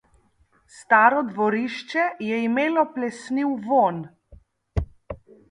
Staro dvorišče je imelo plesniv vonj.